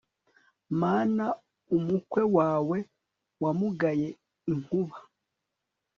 mana umukwe wawe wamugaye inkuba